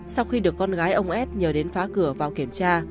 sau khi được con gái ông ép nhờ đến phá cửa vào kiểm tra